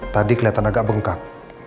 tadi kelihatan agak bengkak